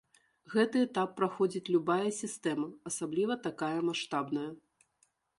Гэты этап праходзіць любая сістэма, асабліва такая маштабная.